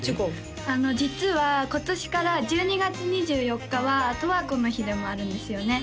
実は今年から１２月２４日は「とわこの日」でもあるんですよね